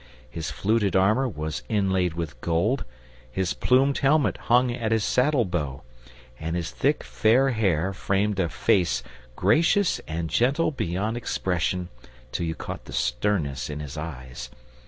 His fluted armour was inlaid with gold, his plumed helmet hung at his saddle bow, and his thick fair hair framed a face gracious and gentle beyond expression till you caught the sternness in his eyes.